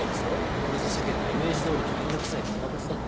これぞ世間のイメージどおりのめんどくさい堅物だって。